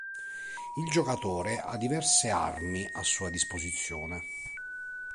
Il giocatore ha diverse armi a sua disposizione.